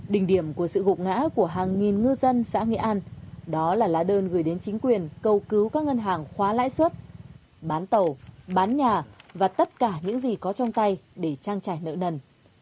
đỉnh điểm của sự gục ngã của hàng nghìn ngư dân xã nghệ an đó là lá đơn gửi đến chính quyền câu cứu các ngân hàng khóa lãi suất bán tàu bán nhà và tất cả những gì có trong tay để trang trải nợ nần